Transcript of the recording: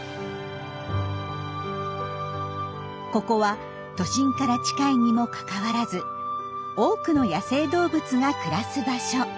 ここは都心から近いにもかかわらず多くの野生動物が暮らす場所。